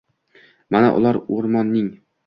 Mana, ular o’rmonning